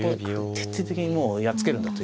徹底的にもうやっつけるんだという感じです。